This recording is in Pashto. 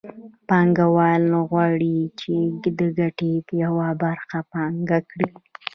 پانګوال غواړي چې د ګټې یوه برخه پانګه کړي